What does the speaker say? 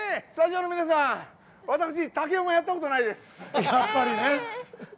スタジオの皆さん、私竹馬やったことないです。